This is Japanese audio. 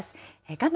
画面